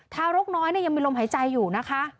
ทารกน้อยยังมีลมหายใจอยู่นะคะ